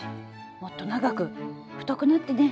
もっと長く太くなってね！